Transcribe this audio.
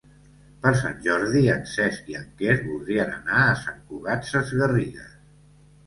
Per Sant Jordi en Cesc i en Quer voldrien anar a Sant Cugat Sesgarrigues.